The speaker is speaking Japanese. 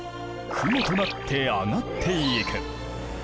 雲となって上がっていく。